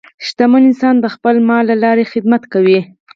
شتمن انسان د خپل مال له لارې خدمت کوي.